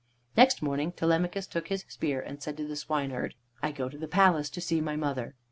Next morning Telemachus took his spear and said to the swineherd: "I go to the palace to see my mother.